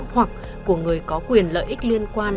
hoặc của người có quyền lợi ích liên quan